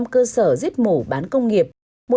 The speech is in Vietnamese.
hai mươi năm cơ sở giết mổ bán công nghiệp